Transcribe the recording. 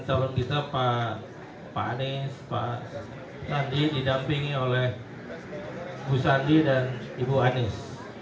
calon kita pak anies pak sandi didampingi oleh bu sandi dan ibu anies